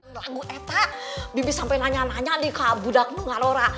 lalu aku ibu sampai nanya nanya di kabudaknya gak ada